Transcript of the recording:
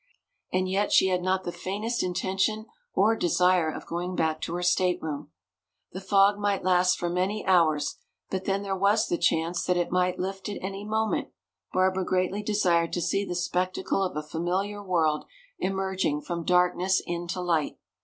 And yet she had not the faintest intention or desire of going back to her stateroom. The fog might last for many hours, but then there was the chance that it might lift at any moment. Barbara greatly desired to see the spectacle of a familiar world emerging from darkness into light.